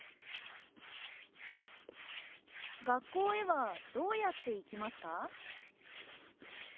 学校へはどうやって行きますか？